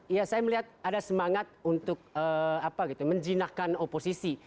ya saya melihat ada semangat untuk menjinakkan oposisi